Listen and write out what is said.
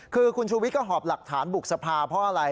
คือคุณชูวิทยก็หอบหลักฐานบุกสภาเพราะอะไร